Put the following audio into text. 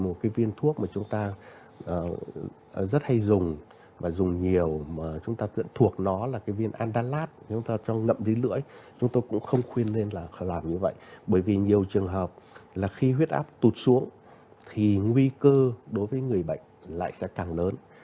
một cái viên thuốc mà chúng ta rất hay dùng và dùng nhiều mà chúng ta là cái viên antallad nếu chúng ta cho ngậm tí lưỡi chúng tôi cũng không khuyên nên là làm như vậy bởi vì nhiều trường hợp là khi huyết áp tụt xuống thì nguy cơ đối với người bệnh lại sẽ càng lớn